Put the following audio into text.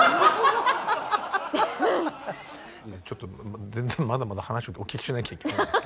ちょっと全然まだまだ話をお聞きしなきゃいけないんです。